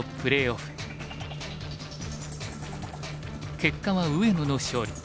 結果は上野の勝利。